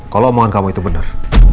kalau omongan kamu itu benar